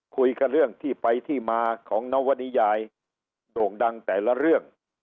คุยกันเรื่องที่ไปที่มาของนวนิยายโด่งดังแต่ละเรื่อง